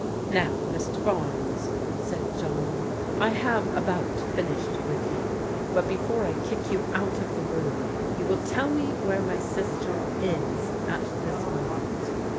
" Now, Mr. Barnes," said John, " I have about fin ished with you, but before I kick you out of the room you will tell me where my sister is at this moment."